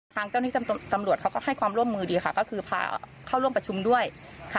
ทางเจ้าหน้าที่ตำรวจเขาก็ให้ความร่วมมือดีค่ะก็คือพาเข้าร่วมประชุมด้วยค่ะ